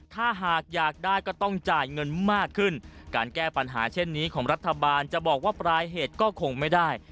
ถ้าหากอยากได้ก็ต้องจ่ายเงินมากขึ้นการแก้ปัญหาเช่นนี้ของรัฐบาลจะบอกว่าปลายเหตุก็คงไม่ได้